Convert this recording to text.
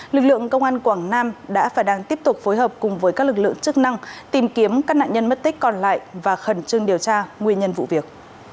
lực lượng công an quảng nam đã và đang tiếp tục phối hợp cùng với các lực lượng chức năng tìm kiếm các nạn nhân mất tích còn lại và khẩn trương điều tra nguyên nhân vụ việc